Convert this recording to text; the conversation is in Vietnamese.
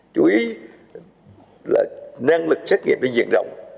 chú ý là năng lực xét nghiệm trên diện rộng